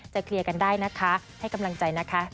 เคลียร์กันได้นะคะให้กำลังใจนะคะ